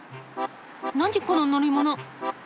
何この乗り物！？